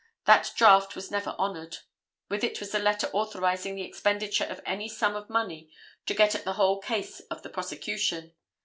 That draft was never honored. With it was a letter authorizing the expenditure of any sum of money to get at the whole case of the prosecution.